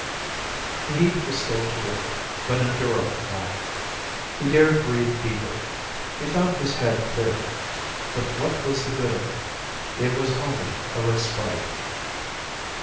The heat was still terrific but endurable now. He dared breathe deeper; he found his head clearing. But what was the good of it? It was only a respite.